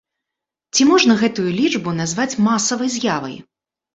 Ці можна гэтую лічбу назваць масавай з'явай?